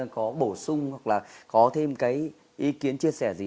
có bổ sung hoặc là có thêm cái ý kiến chia sẻ gì